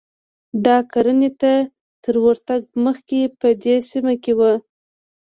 دا کرنې ته تر ورتګ مخکې په دې سیمه کې و